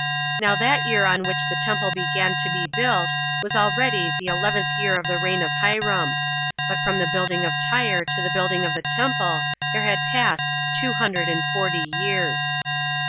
Now that year on which the temple began to be built was already the eleventh year of the reign of Hiram; but from the building of Tyre to the building of the temple, there had passed two hundred and forty years.